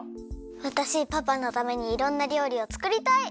わたしパパのためにいろんなりょうりをつくりたい！